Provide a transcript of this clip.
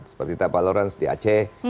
seperti tepal lorenz di aceh